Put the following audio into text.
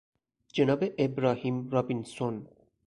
جناب ابراهیم رابینسون